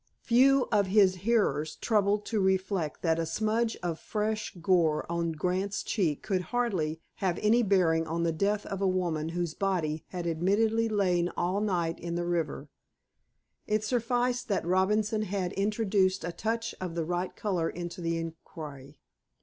Few of his hearers troubled to reflect that a smudge of fresh gore on Grant's cheek could hardly have any bearing on the death of a woman whose body had admittedly lain all night in the river. It sufficed that Robinson had introduced a touch of the right color into the inquiry.